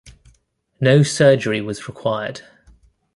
No surgery was required.